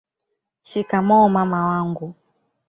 shikamoo mama wangu